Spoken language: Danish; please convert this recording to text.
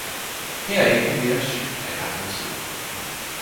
Her er ikke mere syn af gammel tid.